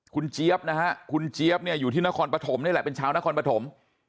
คุณเจี๊ยบเนี่ยอยู่ที่นครพรครรภมเนี่ยแหละเป็นชาวนครพรภม